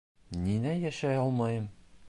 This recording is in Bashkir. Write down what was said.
Ниңә йәшәй алмайым?